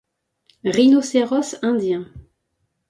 Rhinocéros indien.